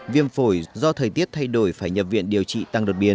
viêm phổi do thời tiết thay đổi phải nhập viện điều trị tăng đột biến